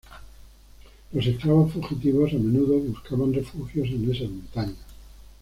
Los esclavos fugitivos a menudo buscaban refugios en esas montañas.